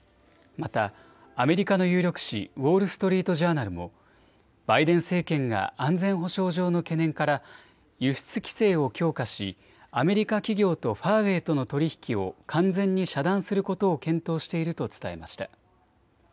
また、アメリカの有力紙ウォール・ストリート・ジャーナルもバイデン政権が安全保障上の懸念から輸出規制を強化しアメリカ企業とファーウェイとの取り引きを完全に遮断することを検討していると伝えました。